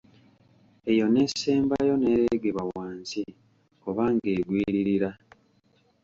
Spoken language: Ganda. Eyo n’esembayo n’ereegerwa wansi oba ng’egwiririra.